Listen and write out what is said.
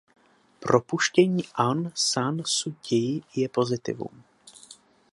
Propuštění Aun Schan Su Ťij je pozitivum.